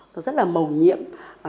nó rất là mầu nhiễm